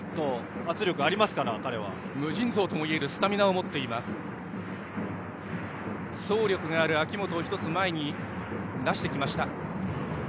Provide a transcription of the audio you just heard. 走力がある明本を１つ前に出してきました。